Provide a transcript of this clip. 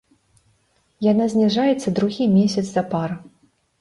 Яна зніжаецца другі месяц запар.